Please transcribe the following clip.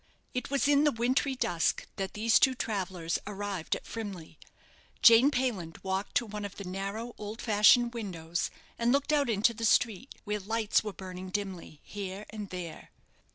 It was in the wintry dusk that these two travellers arrived at Frimley. Jane Payland walked to one of the narrow, old fashioned windows, and looked out into the street, where lights were burning dimly here and there.